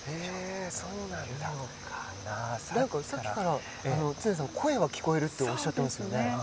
何か、さっきから常さん声が聞こえるっておっしゃってますよね。